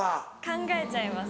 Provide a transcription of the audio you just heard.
考えちゃいますね。